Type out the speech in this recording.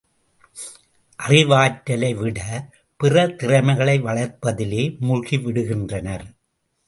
அறிவாற்றலைவிட, பிற திறமைகளை வளர்ப்பதிலே மூழ்கி விடுகின்றனர்.